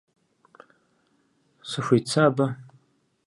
Сыхуит сэ абы?